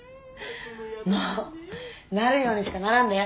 もうなるようにしかならんで。